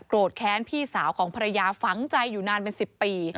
แค้นพี่สาวของภรรยาฝังใจอยู่นานเป็น๑๐ปี